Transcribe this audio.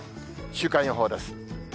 週間予報です。